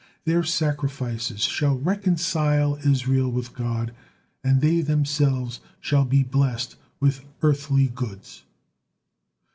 Their sacrifices shall reconcile Israel with God, and they themselves shall be blessed with earthly goods.